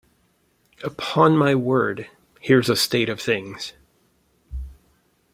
Upon my word, here's a state of things!